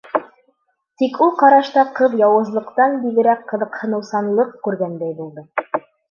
Тик ул ҡарашта ҡыҙ яуызлыҡтан бигерәк ҡыҙыҡһыныусанлыҡ күргәндәй булды.